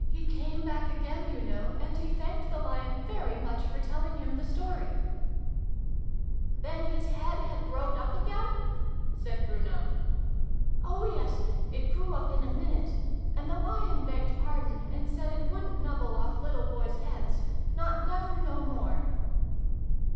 He came back again, you know, and he thanked the Lion very much, for telling him the story." xiv] BRUNO'S PICNIC. 217 " Then his head had growed up again ?" said Bruno. " Oh yes, it grew up in a minute. And the Lion begged pardon, and said it wouldn't nubble off little boys' heads not never no more